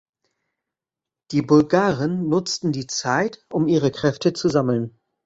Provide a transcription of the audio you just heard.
Die Bulgaren nutzten die Zeit, um ihre Kräfte zu sammeln.